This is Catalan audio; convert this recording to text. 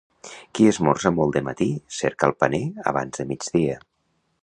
Qui esmorza molt de matí cerca el paner abans de migdia.